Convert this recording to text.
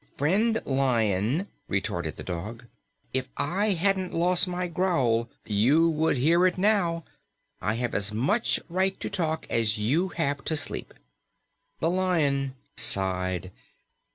"Friend Lion," retorted the dog, "if I hadn't lost my growl, you would hear it now. I have as much right to talk as you have to sleep." The Lion sighed.